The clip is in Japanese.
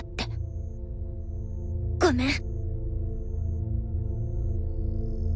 ごめん。